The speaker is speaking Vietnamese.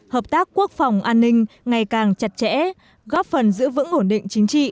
hợp tác quốc phòng an ninh ngày càng chặt chẽ góp phần giữ vững ổn định chính trị